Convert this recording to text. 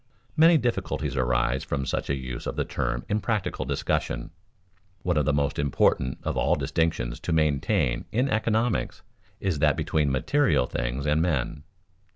Many difficulties arise from such a use of the term in practical discussion. One of the most important of all distinctions to maintain in economics is that between material things and men.